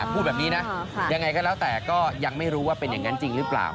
พูดแบบนี้นะยังไงก็แล้วแต่ก็ยังไม่รู้ว่าเป็นอย่างนั้นจริงหรือเปล่า